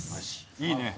いいね。